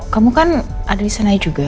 kamu kan ada disana juga